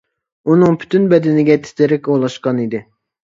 ئۇنىڭ پۈتۈن بەدىنىگە تىترەك ئولاشقان ئىدى.